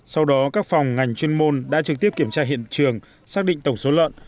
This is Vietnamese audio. sau đó các phòng ngành chuyên môn đã trực tiếp kiểm tra hiện trường xác định tổng số lợn